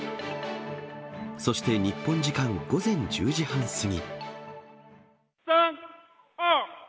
そして日本時間午前１０時半過ぎ。